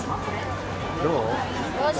どう？